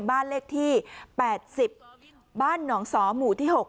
บ้านเลขที่แปดสิบบ้านหนองสอหมู่ที่หก